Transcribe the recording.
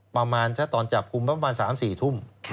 ประมาณถ้าตอนจับกลุ่มประมาณ๓๔ทุ่ม